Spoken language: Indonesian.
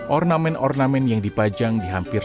ornamen ornamen yang dipajang di hampir